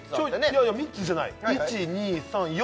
いやいや３つじゃない１２３４